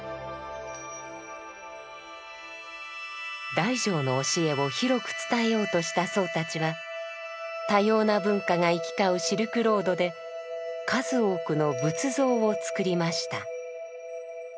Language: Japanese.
大乗の教えを広く伝えようとした僧たちは多様な文化が行き交うシルクロードで数多くの仏像を作りました。